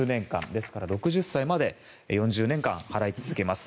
ですから、６０歳まで４０年間払い続けます。